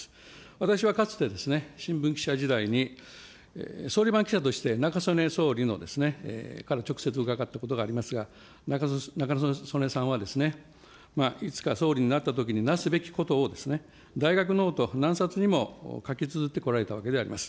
私はかつて新聞記者時代に、総理番記者として中曽根総理から直接伺ったことがありますが、中曽根さんはいつか総理になったときになすべきことを大学ノート、何冊にも書きつづってこられたわけであります。